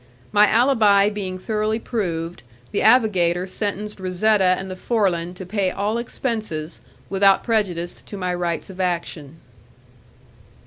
My alibi being thoroughly proved, the avogador sentenced Razetta and the Forlan to pay all expenses without prejudice to my rights of action.